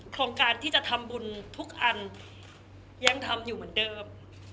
โครงการที่จะทำบุญทุกอันยังทำอยู่เหมือนเดิม